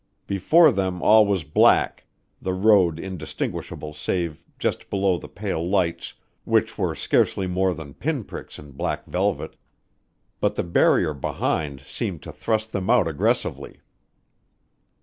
Before them all was black, the road indistinguishable save just below the pale lights which were scarcely more than pin pricks in black velvet. But the barrier behind seemed to thrust them out aggressively.